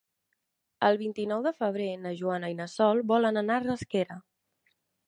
El vint-i-nou de febrer na Joana i na Sol volen anar a Rasquera.